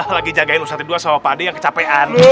lagi jagain ustadz kedua sama pak ade yang kecapean